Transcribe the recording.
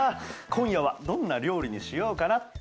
今夜はどんな料理にしようかな。